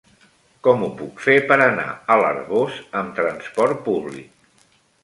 Com ho puc fer per anar a l'Arboç amb trasport públic?